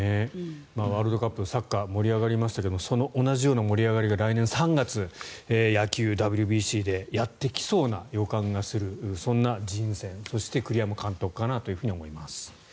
ワールドカップサッカー、盛り上がりましたが同じような盛り上がりが来年３月野球、ＷＢＣでやってきそうな予感がするそんな人選そして栗山監督かなと思います。